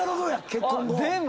結婚後。